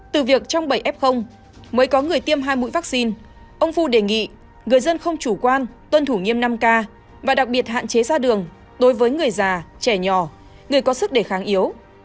từ việc trong bảy f mới có người tiêm hai mũi vaccine ông phu đề nghị người dân không chủ quan tuân thủ nghiêm năm k và đặc biệt hạn chế ra đường đối với người già trẻ nhỏ người có sức đề kháng yếu